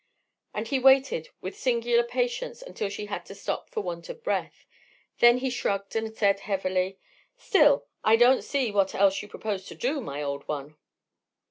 And he waited with singular patience until she had to stop for want of breath. Then he shrugged and said heavily: "Still, I don't see what else you propose to do, my old one."